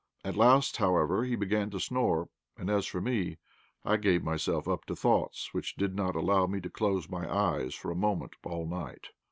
At last, however, he began to snore, and as for me, I gave myself up to thoughts which did not allow me to close my eyes for a moment all night.